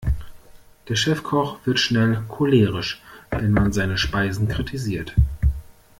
Der Chefkoch wird schnell cholerisch, wenn man seine Speisen kritisiert.